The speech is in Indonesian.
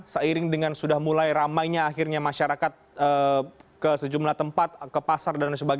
seiring dengan sudah mulai ramainya akhirnya masyarakat ke sejumlah tempat ke pasar dsb